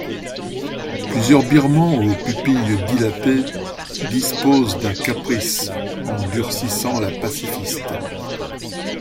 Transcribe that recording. Plusieurs birmans aux pupilles dilatées disposent d'un caprice en durcissant la pacifiste.